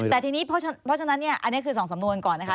แต่ทีนี้เพราะฉะนั้นเนี่ยอันนี้คือ๒สำนวนก่อนนะคะ